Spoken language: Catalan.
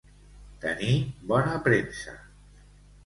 Tenir bona premsa.